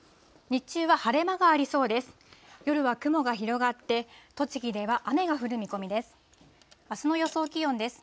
日中は晴れ間がありそうです。